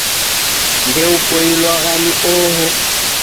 Ndeupoilwagha ni oho